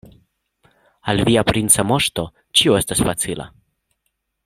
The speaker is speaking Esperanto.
Al via princa moŝto ĉio estas facila.